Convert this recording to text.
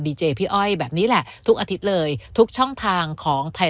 เจพี่อ้อยแบบนี้แหละทุกอาทิตย์เลยทุกช่องทางของไทย